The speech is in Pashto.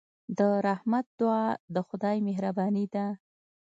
د رحمت دعا د خدای مهرباني ده.